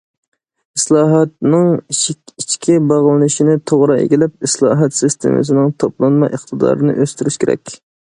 ئىسلاھاتنىڭ ئىچكى باغلىنىشىنى توغرا ئىگىلەپ، ئىسلاھات سىستېمىسىنىڭ توپلانما ئىقتىدارىنى ئۆستۈرۈش كېرەك.